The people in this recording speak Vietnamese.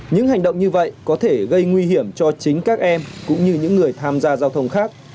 những hành động như vậy có thể gây nguy hiểm cho chính các em cũng như những người tham gia giao thông khác